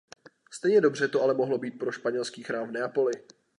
Stejně dobře to ale mohlo být pro Španělský chrám v Neapoli.